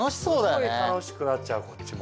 すごい楽しくなっちゃうこっちも。